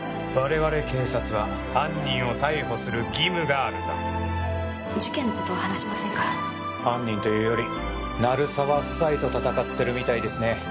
我々警察は犯人を逮捕する義務があるんだ事件のことは話しませんから・犯人というより鳴沢夫妻と戦ってるみたいですね